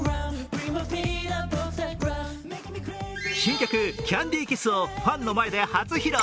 新曲「ＣａｎｄｙＫｉｓｓ」をファンの前で初披露。